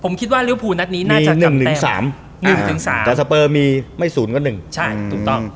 มี๑๓แต่สเปอร์มีไม่๐ก็๑